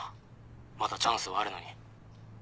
まだチャンスはあるのに。